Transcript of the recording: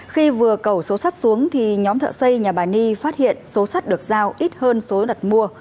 khi vừa cầu số sắt xuống thì nhóm thợ xây nhà bà nhi phát hiện số sắt được giao ít hơn số đặt mua